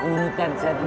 urutan saya dengerin